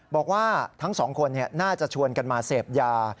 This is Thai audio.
บอกว่าทั้งสองคนน่าจะชวนกันมาเสพยา